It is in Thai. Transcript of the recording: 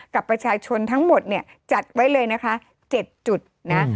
กับประชาชนทั้งหมดเนี่ยจัดไว้เลยนะคะ๗จุดนะ